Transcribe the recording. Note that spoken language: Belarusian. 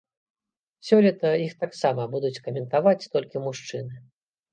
Сёлета іх таксама будуць каментаваць толькі мужчыны.